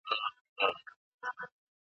هغه هم همدا ډول کار کوي.